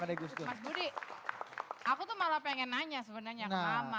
tapi mas budi aku tuh malah pengen nanya sebenarnya ke mama